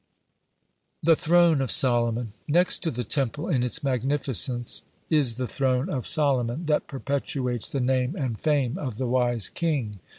(66) THE THRONE OF SOLOMON Next to the Temple in its magnificence, it is the throne of Solomon that perpetuates the name and fame of the wise king.